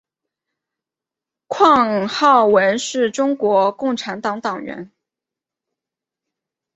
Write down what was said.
况浩文是中国共产党党员。